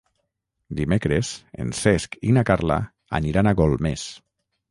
Dimecres en Cesc i na Carla aniran a Golmés.